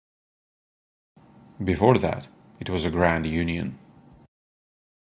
Before that, it was a Grand Union.